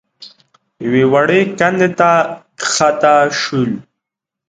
يوې وړې کندې ته کښته شول.